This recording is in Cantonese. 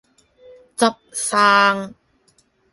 執生